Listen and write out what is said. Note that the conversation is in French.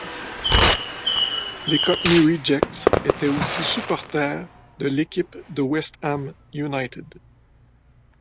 Les Cockney Rejects étaient aussi supporters de l'équipe de West Ham United.